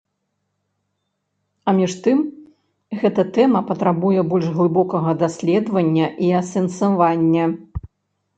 А між тым, гэта тэма патрабуе больш глыбокага даследавання і асэнсавання.